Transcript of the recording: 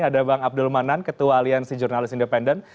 ada bang abdul manan ketua aliansi jurnalis independen